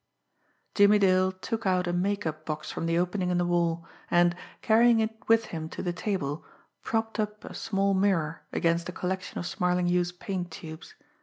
Jimmie Dale took out a make up box from the opening in the wall, and, carrying it with him to the table, propped up a small mirror against a collection of Smarlinghue's paint tubes.